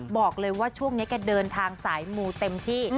บอกเลยว่าช่วงนี้แกเดินทางสายมูเต็มที่